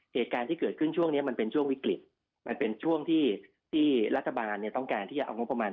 เหตุการณ์ที่เกิดขึ้นช่วงนี้มันเป็นช่วงวิกฤตมันเป็นช่วงที่รัฐบาลเนี่ยต้องการที่จะเอางบประมาณ